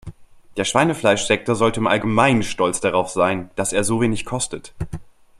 Der Schweinefleischsektor sollte im allgemeinen stolz darauf sein, dass er so wenig kostet.